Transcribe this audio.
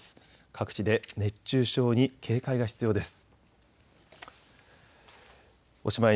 各地で熱中症に警戒が必要です。